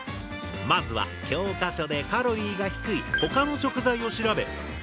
まずは教科書でカロリーが低い他の食材を調べ